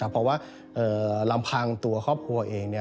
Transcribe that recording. เพราะว่าลำพังตัวครอบครัวเอง